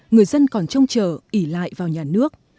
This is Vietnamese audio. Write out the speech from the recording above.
người dân còn trông chờ ỉ lại vào nhà nước